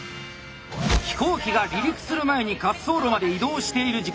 飛行機が離陸する前に滑走路まで移動している時間。